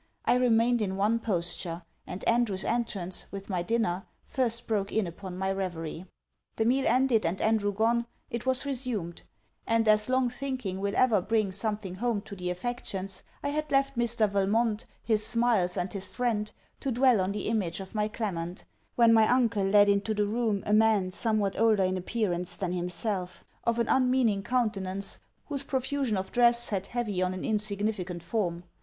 I remained in one posture; and Andrew's entrance, with my dinner, first broke in upon my reverie. The meal ended and Andrew gone, it was resumed; and as long thinking will ever bring something home to the affections, I had left Mr. Valmont, his smiles, and his friend, to dwell on the image of my Clement when my uncle led into the room a man somewhat older in appearance than himself, of an unmeaning countenance, whose profusion of dress sat heavy on an insignificant form.